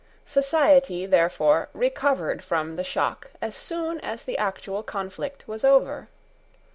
Society, therefore, recovered from the shock as soon as the actual conflict was over.